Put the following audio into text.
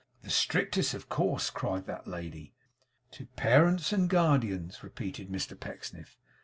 'The strictest, of course!' cried that lady. 'To Parents and Guardians,' repeated Mr Pecksniff.